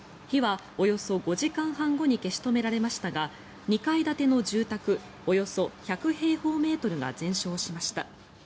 火はおよそ５時間半後に消し止められましたが２階建ての住宅およそ１００平方メートルが全焼しました。